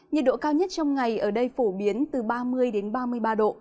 nhiệt độ cao nhất trong ngày ở đây phổ biến từ ba mươi đến ba mươi ba độ